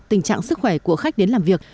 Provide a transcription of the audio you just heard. tình trạng sức khỏe của khách đến làm việc